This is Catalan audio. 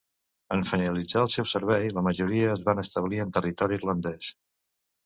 En finalitzar el seu servei, la majoria es van establir en territori irlandès.